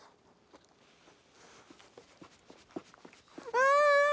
うん！